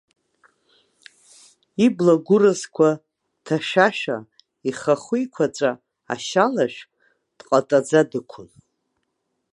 Ибла гәыразқәа ҭашәашәа, ихахәы-еиқәаҵәа ашьа алашә, дҟатаӡа дықәын.